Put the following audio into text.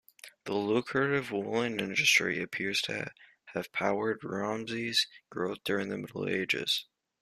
The lucrative woollen industry appears to have powered Romsey's growth during the Middle Ages.